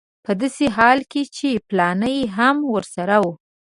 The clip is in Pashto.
په داسې حال کې چې فلانی هم ورسره و.